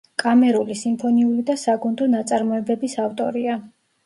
კამერული, სიმფონიური და საგუნდო ნაწარმოებების ავტორია.